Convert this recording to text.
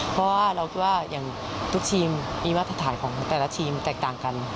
เพราะว่าเราคิดว่าอย่างทุกทีมมีมาตรฐานของแต่ละทีมแตกต่างกัน